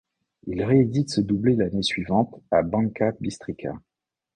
Il réédite ce doublé l'année suivante à Banská Bystrica.